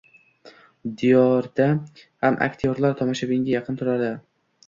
Diydorda ham aktyorlar tomoshabinga yaqin turadi.